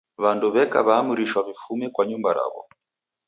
W'andu w'eka w'aamrishwa w'ifume nyumba raw'o.